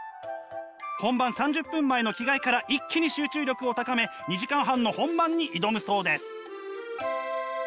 本番３０分前の着替えから一気に集中力を高め２時間半の本番に挑むそうです。